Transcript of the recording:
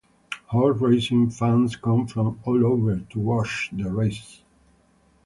Horse-racing fans come from all over to watch the races.